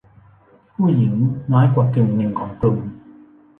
ผู้หญิงน้อยกว่ากึ่งหนึ่งของกลุ่ม